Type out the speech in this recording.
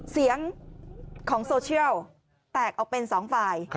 เสียงของโซเชียลแตกออกเป็น๒ฝ่าย